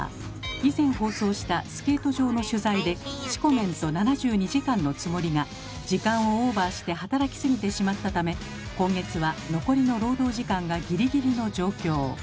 以前放送したスケート場の取材で「チコメント７２時間」のつもりが時間をオーバーして働きすぎてしまったため今月は残りの労働時間がギリギリの状況。